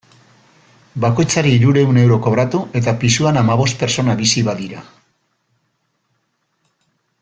Bakoitzari hirurehun euro kobratu, eta pisuan hamabost pertsona bizi badira.